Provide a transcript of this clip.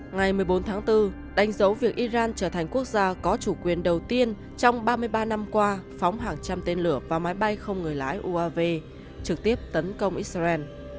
ngày một mươi bốn tháng bốn đánh dấu việc iran trở thành quốc gia có chủ quyền đầu tiên trong ba mươi ba năm qua phóng hàng trăm tên lửa và máy bay không người lái uav trực tiếp tấn công israel